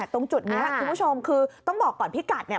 ตรงจุดนี้คุณผู้ชมคือต้องบอกก่อนพี่กัดเนี่ย